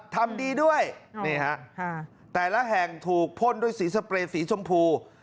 ทำดีด้วยนี่ฮะแต่ละแห่งถูกพ่นด้วยสีสเปรย์สีชมพู